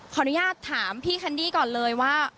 ขออนุญาตถามพี่แคนดี้ก่อนเลยว่า